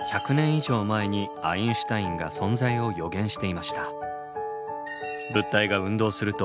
以上前にアインシュタインが存在を予言していました。